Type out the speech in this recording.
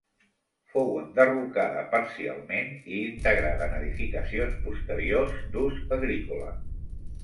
Fou enderrocada parcialment i integrada en edificacions posteriors d'ús agrícola.